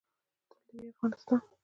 تل دې وي افغانستان؟